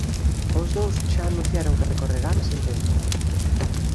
Os dous xa anunciaron que recorrerán a sentenza.